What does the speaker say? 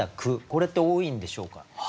これって多いんでしょうか？